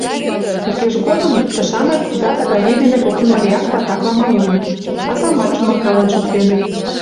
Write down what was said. Укеж годым тышанак тудат Агавий дене коктын марияк-ватакла маленыт, азамат чумыркален шуктеныт.